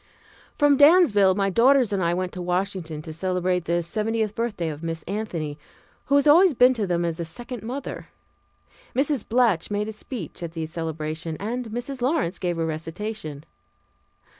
From Dansville my daughters and I went on to Washington to celebrate the seventieth birthday of Miss Anthony, who has always been to them as a second mother. Mrs. Blatch made a speech at the celebration, and Mrs. Lawrence gave a recitation.